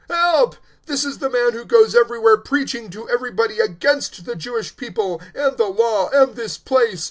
help! This is the man who goes everywhere preaching to everybody against the Jewish people and the Law and this place.